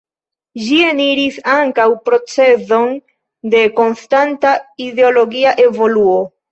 Ĝi eniris ankaŭ procezon de konstanta ideologia evoluo.